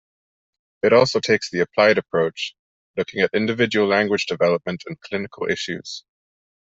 It also takes the applied approach, looking at individual language development and clinical issues.